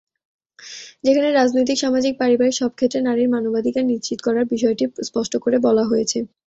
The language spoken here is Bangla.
যেখানে রাজনৈতিক, সামাজিক, পারিবারিক সব ক্ষেত্রে নারীর মানবাধিকার নিশ্চিত করার বিষয়টি স্পষ্ট করে বলা হয়েছে।